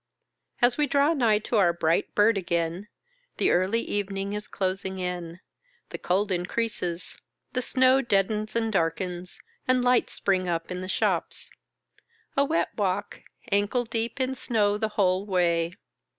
As we draw nigh to our bright bird again, the early evening is closing in, the cold increases, the snow deadens and darkens, and lights spring up in the shops. A wet walk,, ankle deep in snow the whole way.